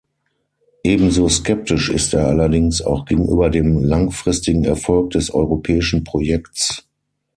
Ebenso skeptisch ist er allerdings auch gegenüber dem langfristigen Erfolg des europäischen Projekts.